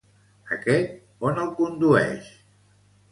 Aquest, on el condueix?